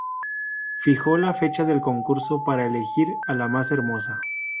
Fijó la fecha del concurso para elegir a la más hermosa.